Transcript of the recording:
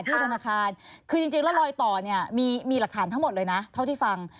ธนาคารคือจริงแล้วรอยต่อเนี่ยมีหลักฐานทั้งหมดเลยนะเท่าที่ฟัง